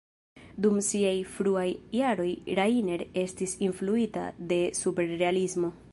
Dum siaj fruaj jaroj, Rainer estis influita de Superrealismo.